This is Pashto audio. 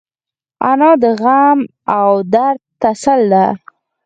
انا د غم او درد تسل ده